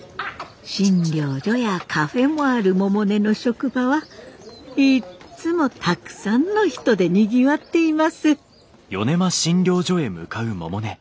診療所やカフェもある百音の職場はいっつもたくさんの人でにぎわっています。